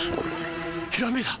ひらめいた！